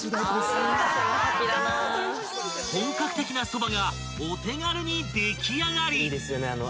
［本格的なそばがお手軽に出来上がり］